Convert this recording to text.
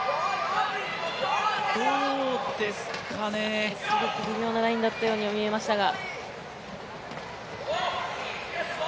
どうですかね微妙なラインだったようにも見えましたが。